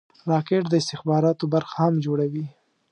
راکټ د استخباراتو برخه هم جوړوي